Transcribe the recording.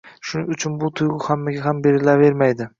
Shuning uchun bu tuyg‘u hammaga ham berilavermaydi.